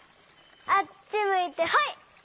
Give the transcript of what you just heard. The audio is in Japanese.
あっちむいてホイ！